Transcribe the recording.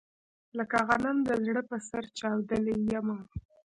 لکه غنم د زړه په سر چاودلی يمه